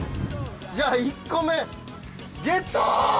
じゃあ１個目ゲット！